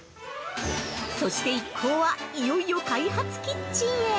◆そして一行はいよいよ開発キッチンへ！